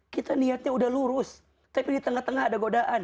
kita niatnya udah lurus tapi di tengah tengah ada godaan